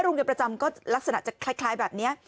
โรงเรียนประจำก็ลักษณะจะคล้ายแบบนี้